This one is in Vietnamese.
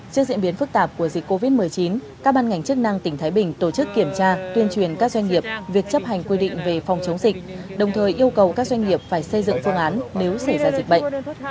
trước diễn biến phức tạp của dịch covid một mươi chín các ban ngành chức năng tỉnh thái bình tổ chức kiểm tra tuyên truyền các doanh nghiệp việc chấp hành quy định về phòng chống dịch đồng thời yêu cầu các doanh nghiệp phải xây dựng phương án nếu xảy ra dịch bệnh